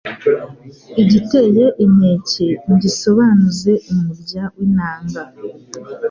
igiteye inkeke ngisobanuze umurya w’inanga